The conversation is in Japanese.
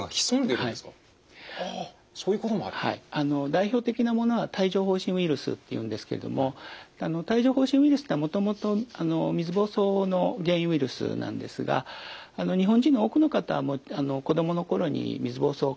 代表的なものは帯状ほう疹ウイルスっていうんですけども帯状ほう疹ウイルスっていうのはもともと水疱瘡の原因ウイルスなんですが日本人の多くの方は子供の頃に水疱瘡かかってらっしゃいます。